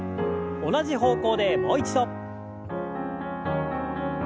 同じ方向でもう一度。